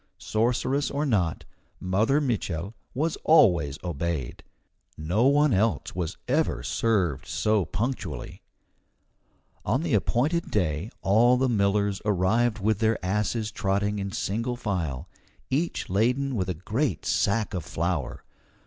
Sorceress or not, Mother Mitchel was always obeyed. No one else was ever served so punctually. On the appointed day all the millers arrived with their asses trotting in single file, each laden with a great sack of flour.